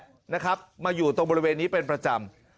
ที่เจอศพนี่แหละนะครับมาอยู่ตรงบริเวณนี้เป็นประจำ